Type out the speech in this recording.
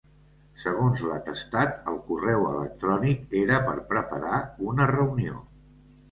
Segons l’atestat, el correu electrònic era per preparar una reunió.